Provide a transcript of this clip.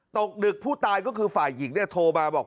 ตกดึกผู้ตายก็คือฝ่ายหญิงเนี่ยโทรมาบอก